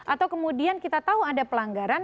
atau kemudian kita tahu ada pelanggaran